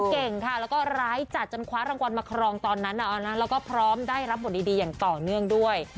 เก่งค่ะแล้วก็ร้ายจัดจนคว้ารางวัลมาครองตอนนั้นแล้วก็พร้อมได้รับบทดีอย่างต่อเนื่องด้วย